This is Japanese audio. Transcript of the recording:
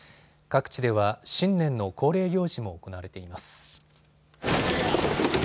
各地では新年の恒例行事も行われています。